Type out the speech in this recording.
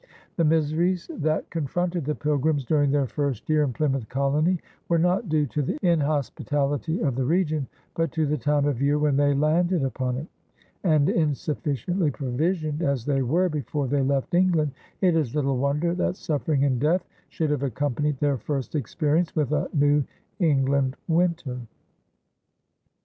The miseries that confronted the Pilgrims during their first year in Plymouth colony were not due to the inhospitality of the region, but to the time of year when they landed upon it; and insufficiently provisioned as they were before they left England, it is little wonder that suffering and death should have accompanied their first experience with a New England winter.